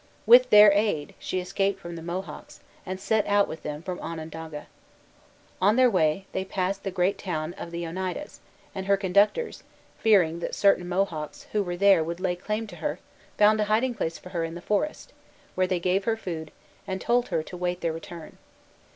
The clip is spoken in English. With their aid, she escaped from the Mohawks, and set out with them for Onondaga. On their way, they passed the great town of the Oneidas; and her conductors, fearing that certain Mohawks who were there would lay claim to her, found a hiding place for her in the forest, where they gave her food, and told her to wait their return.